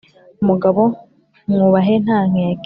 umugabo mwubahe ntankeke